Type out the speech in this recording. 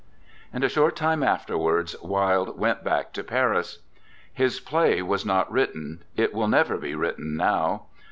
And a short time afterwards, Wilde went back to Paris. His play was not written it will never be written now.